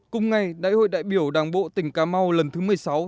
cùng ngày đại hội đại biểu đảng bộ tỉnh cà mau lần thứ một mươi sáu